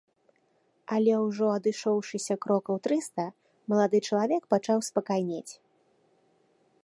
Але ўжо адышоўшыся крокаў трыста, малады чалавек пачаў спакайнець.